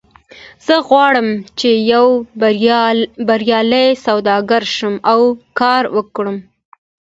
زه غواړم چې یو بریالی سوداګر شم او کار وکړم